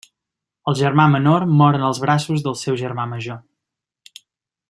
El germà menor mor en els braços del seu germà major.